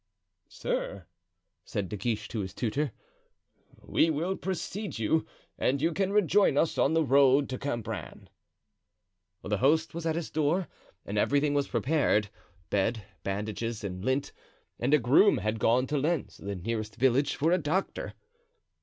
"Sir," said De Guiche to his tutor, "we will precede you, and you can rejoin us on the road to Cambrin." The host was at his door and everything was prepared—bed, bandages, and lint; and a groom had gone to Lens, the nearest village, for a doctor.